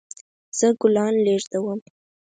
زه ګلان لیږدوم